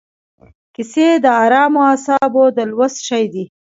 کیسې د ارامو اعصابو د لوست شی دی.